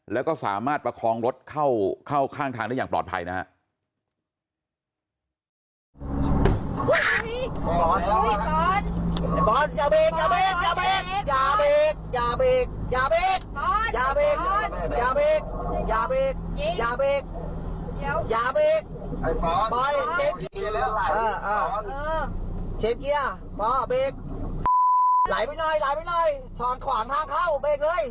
แล้วก็สามารถประคองรถเข้าข้างทางได้อย่างปลอดภัยนะฮะ